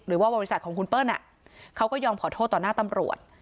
หรือว่าบริษัทของคุณเปิ้ลเขาก็ยอมขอโทษต่อหน้าตำรวจ